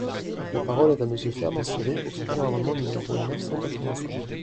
La parole est à Monsieur Fernand Siré, pour soutenir l’amendement numéro neuf cent quatre-vingt-cinq.